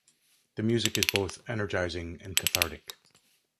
The music is both energizing and cathartic.